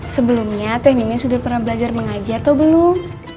sebelumnya teh mimi sudah pernah belajar mengaji atau belum